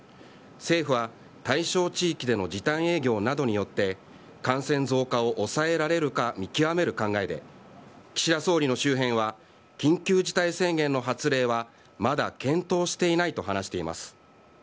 政府は対象地域での時短営業などによって感染増加を抑えられるか見極める考えで岸田総理の周辺は緊急事態宣言の発令はまだ検討していないと話しています。